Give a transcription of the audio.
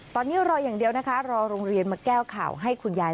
ตอนนี้รออย่างเดียวนะคะรอโรงเรียนมาแก้ข่าวให้คุณยาย